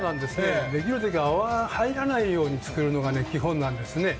できるときは泡、入らないように作るのが基本なんです。